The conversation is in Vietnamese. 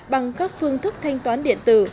bằng các phương thức thanh toán điện tử